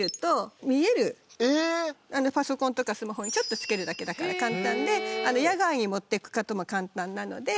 パソコンとかスマホにちょっとつけるだけだから簡単で野外に持ってくことも簡単なので。